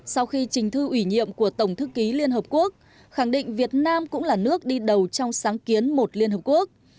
sau khi trình thư ủy nhiệm của tổng thư ký liên hợp quốc khẳng định việt nam cũng là nước đi đầu trong sáng kiến một liên hợp quốc